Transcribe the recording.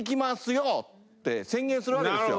よって宣言するわけですよ。